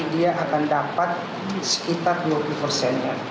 dia akan dapat sekitar dua puluh persen